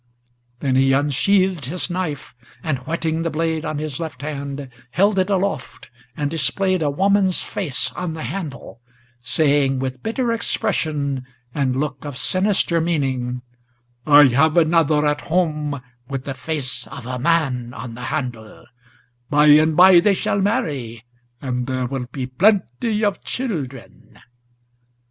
'" Then he unsheathed his knife, and, whetting the blade on his left hand, Held it aloft and displayed a woman's face on the handle, Saying, with bitter expression and look of sinister meaning: "I have another at home, with the face of a man on the handle; By and by they shall marry; and there will be plenty of children!"